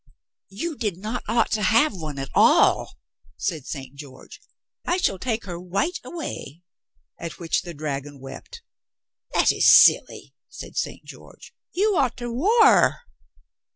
"You did not ought to have one at all," said St. George. "I shall take her wight away." At which the dragon wept, "That is silly," said St. George. "You ought to wear."